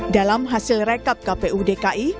dalam hasil rekap kpu dki